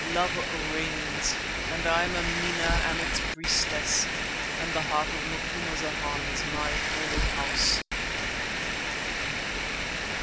Love reigns and I, Mameena, am its priestess, and the heart of Macumazana is my holy house.